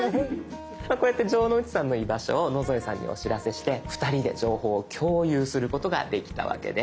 こうやって城之内さんの居場所を野添さんにお知らせして２人で情報を共有することができたわけです。